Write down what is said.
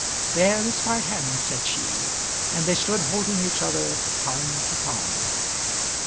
"There is my hand," said she; and they stood holding each other, palm to palm.